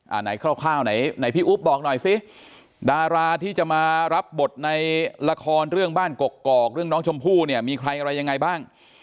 ไหนคร่าวไหนไหนพี่อุ๊บบอกหน่อยสิดาราที่จะมารับบทในละครเรื่องบ้านกกอกเรื่องน้องชมพู่เนี่ยมีใครอะไรยังไงบ้าง